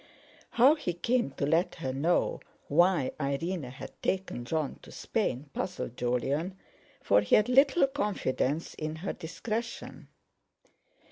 How he came to let her know why Irene had taken Jon to Spain puzzled Jolyon, for he had little confidence in her discretion.